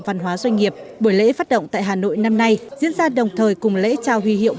văn hóa doanh nghiệp buổi lễ phát động tại hà nội năm nay diễn ra đồng thời cùng lễ trao huy hiệu